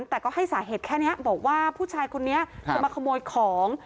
แต่ก็ให้สาเหตุแค่นี้บอกว่าผู้ชายคนนี้จะมาขโมยของ